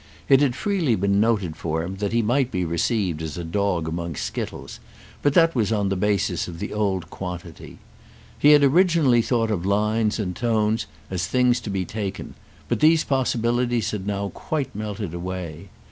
It had freely been noted for him that he might be received as a dog among skittles, but that was on the basis of the old quantity. He had originally thought of lines and tones as things to be taken, but these possibilities had now quite melted away.